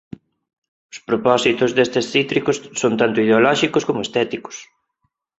Os propósitos destes críticos son tanto ideolóxicos como estéticos.